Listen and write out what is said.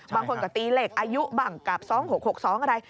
บางคนก็ตีเหล็กอายุบังกับ๒๖๖๒อะไร